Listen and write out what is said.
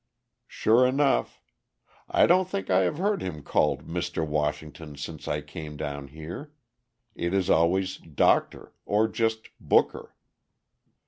Sure enough! I don't think I have heard him called Mr. Washington since I came down here. It is always "Dr." or just "Booker."